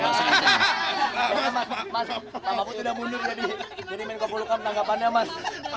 mas mas mas pak mahfud sudah mundur jadi mengepulukan tanggapannya mas